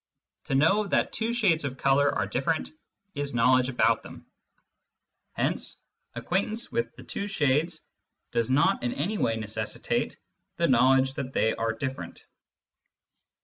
To know that two shades of colour are different is knowledge about them ; hence acquaintance with the two shades does not in any way necessitate the knowledge that they are different.